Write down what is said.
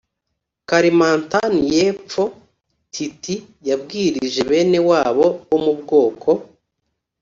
kalimantan y epfo titi yabwirije bene wabo bo mu bwoko